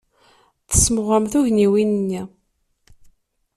Tesmeɣrem tugniwin-nni.